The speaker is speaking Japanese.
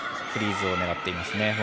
フリーズを狙っていますね。